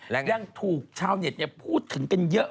เรื่องถูกชาวเน็ตเนี่ยพูดถึงกันเยอะ